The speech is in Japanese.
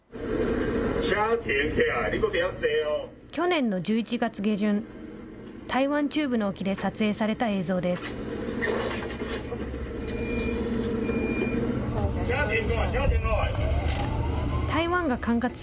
去年の１１月下旬、台湾中部の沖で撮影された映像です。